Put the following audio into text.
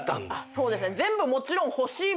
そうですね。